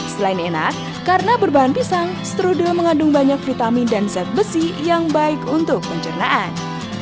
selain enak karena berbahan pisang strudel mengandung banyak vitamin dan zat besi yang baik untuk pencernaan